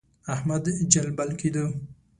احمد جلبل کېدو.